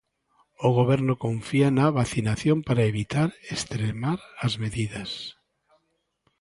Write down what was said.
O Goberno confía na vacinación para evitar extremar as medidas.